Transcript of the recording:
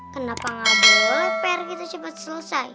kenapa ga boleh pr kita cepet selesai